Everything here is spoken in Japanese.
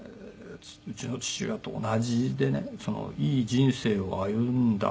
うちの父親と同じでねいい人生を歩んだんじゃないですかと。